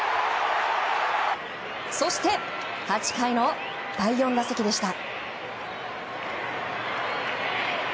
そして、８回の第４打席でした。